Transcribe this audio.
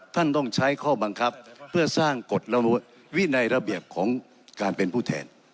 ต้องใช้ข้อบังคับเพื่อสร้างกฎวินัยระเบียบของการเป็นผู้แทน